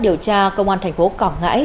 điều tra công an thành phố cỏng ngãi